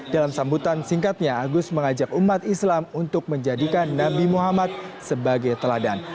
dalam sambutan singkatnya agus mengajak umat islam untuk menjadikan nabi muhammad sebagai teladan